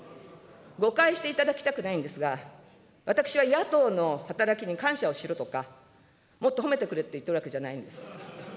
誤解していただきたくないんですが、私は野党の働きに感謝をしろとか、もっと褒めてくれっていってるわけじゃないんです。